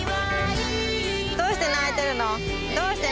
どうして泣いてるの？